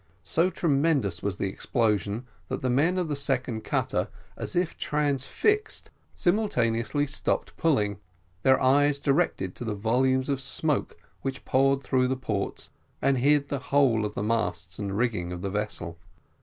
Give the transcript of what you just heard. So tremendous was the explosion, that the men of the second cutter, as if transfixed, simultaneously stopped pulling, their eyes directed to the volumes of smoke which poured through the ports, and hid the whole of the masts and rigging of the vessel.